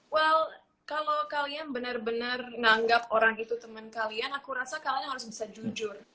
well kalau kalian benar benar nanggap orang itu teman kalian aku rasa kalian harus bisa jujur